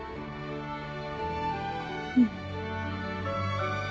うん。